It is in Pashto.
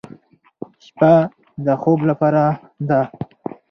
شپه د خوب لپاره ده.